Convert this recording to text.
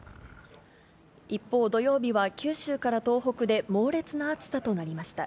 一方、土曜日は九州から東北で猛烈な暑さとなりました。